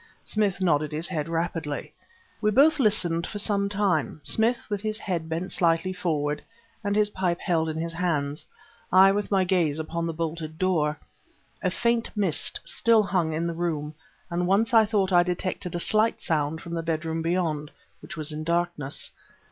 Smith nodded his head rapidly. We both listened for some time, Smith with his head bent slightly forward and his pipe held in his hands; I with my gaze upon the bolted door. A faint mist still hung in the room, and once I thought I detected a slight sound from the bedroom beyond, which was in darkness.